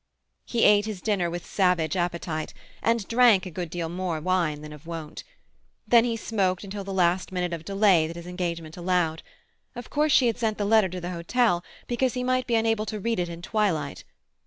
He ate his dinner with savage appetite, and drank a good deal more wine than of wont. Then he smoked until the last minute of delay that his engagement allowed. Of course she had sent the letter to the hotel because he might be unable to read it in twilight.